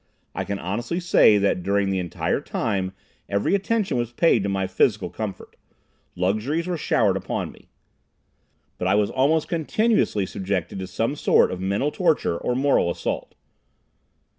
I can honestly say that during that entire time every attention was paid to my physical comfort. Luxuries were showered upon me. But I was almost continuously subjected to some form of mental torture or moral assault.